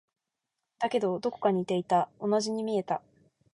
だけど、どこか似ていた。同じに見えた。